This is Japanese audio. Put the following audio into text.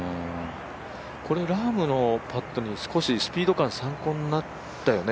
これ、ラームのパットにスピード感、参考になったよね。